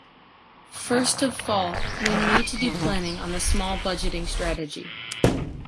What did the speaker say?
First of fall, we need to do planning on the small budgeting strategy.